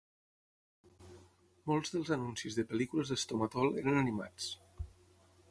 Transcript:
Molts dels anuncis de pel·lícules de Stomatol eren animats.